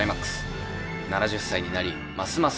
７０歳になりますます